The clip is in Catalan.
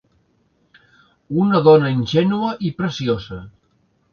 Una dona ingènua i preciosa.